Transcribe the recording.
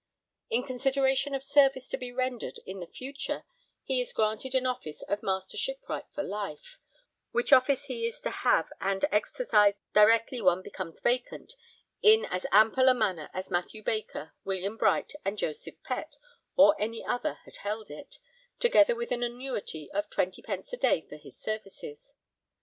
In consideration of service to be rendered in the future (post hac), he is granted an office of Master Shipwright for life which office he is to have and exercise directly one becomes vacant, in as ample a manner as Mathew Baker, William Bright and Joseph Pett or any other had held it together with an annuity of 20_d._ a day for his services.